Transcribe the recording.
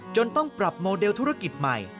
ต้องปรับโมเดลธุรกิจใหม่